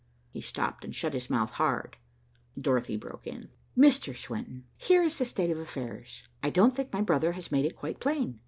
He stopped and shut his mouth hard. Dorothy broke in. "Mr. Swenton, here is the state of affairs. I don't think my brother has made it quite plain.